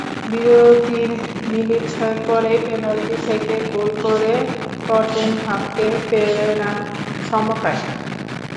বিরতির মিনিট ছয়েক পরই পেনাল্টি থেকে গোল করে টটেনহামকে ফেরান সমতায়।